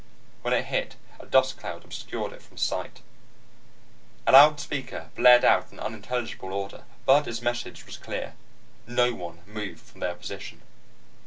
When it hit, a dust cloud obscured it from sight. A loudspeaker blared out an unintelligible order, but its message was clear. No one moved from their position.